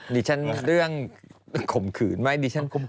ดิฉันเรื่องขมขืนไหม